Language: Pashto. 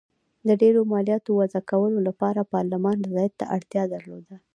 د ډېرو مالیاتو وضعه کولو لپاره پارلمان رضایت ته اړتیا درلوده.